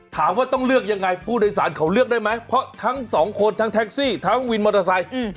ต้องเลือกยังไงผู้โดยสารเขาเลือกได้ไหมเพราะทั้งสองคนทั้งแท็กซี่ทั้งวินมอเตอร์ไซค์